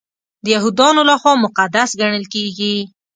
د یهودانو لخوا مقدس ګڼل کیږي.